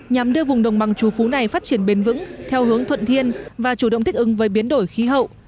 nhằm đưa vùng đồng bằng chú phú này phát triển bền vững theo hướng thuận thiên và chủ động thích ứng với biến đổi khí hậu